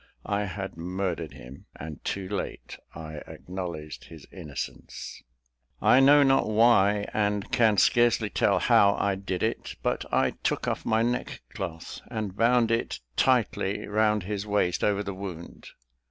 I had murdered him, and too late I acknowledged his innocence. I know not why, and can scarcely tell how I did it, but I took off my neckcloth, and bound it tightly round his waist, over the wound.